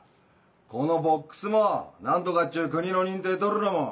このボックスも何とかっちゅう国の認定取るのも！